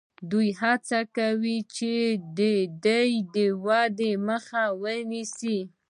دوی هڅه کوي چې د دې ودې مخه ونیسي.